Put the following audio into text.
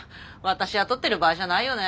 私雇ってる場合じゃないよね。